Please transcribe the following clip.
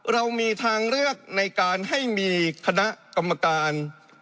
เรามีทางเลือกในการให้มีคณะกรรมการ